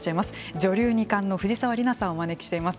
女流二冠の藤沢里菜さんをお招きしています。